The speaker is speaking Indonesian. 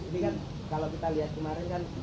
ini kan kalau kita lihat kemarin kan